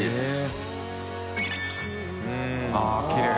あぁきれい。